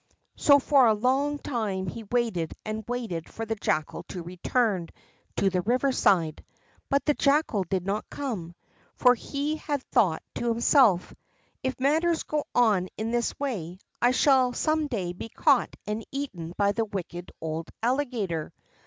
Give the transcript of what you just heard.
So for a long time he waited and waited for the Jackal to return to the riverside; but the Jackal did not come, for he had thought to himself: "If matters go on in this way, I shall some day be caught and eaten by the wicked old Alligator.